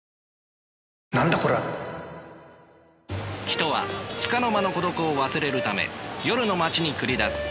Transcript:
人はつかの間の孤独を忘れるため夜の街に繰り出す。